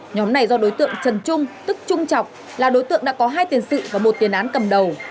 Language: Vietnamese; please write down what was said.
nhóm này do đối tượng trần trung tức trung trọng là đối tượng đã có hai tiền sự và một tiền án cầm đầu